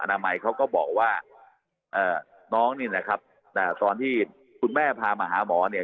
นามัยเขาก็บอกว่าน้องนี่นะครับตอนที่คุณแม่พามาหาหมอเนี่ย